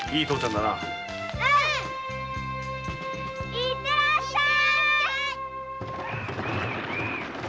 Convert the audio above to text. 行ってらっしゃーい。